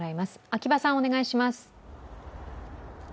秋場さん、お願いします。